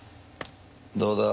どうだ？